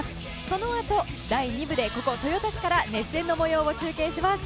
そのあと第２部でここ、豊田市から熱戦の模様を中継します。